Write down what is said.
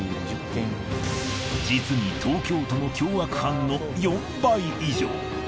実に東京都の凶悪犯の４倍以上。